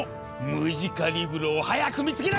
ムジカリブロを早く見つけないと！